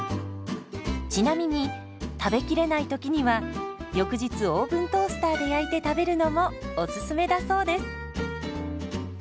ちなみに食べきれないときには翌日オーブントースターで焼いて食べるのもおすすめだそうです。